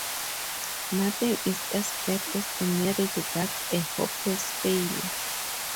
Nothing is as bad as a marriage that’s a hopeless failure.